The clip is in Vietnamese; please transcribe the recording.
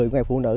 ngày phụ nữ